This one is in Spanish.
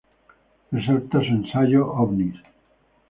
Resalta su ensayo "Ovnis.